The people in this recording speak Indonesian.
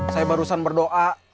saya barusan berdoa